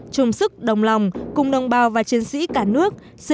chung sức đồng lòng cùng đồng bào và chiến sĩ cả nước